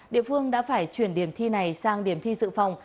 địa phương đã phải chuyển điểm thi này sang điểm thi dự phòng